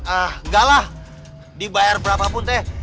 ah enggaklah dibayar berapapun teh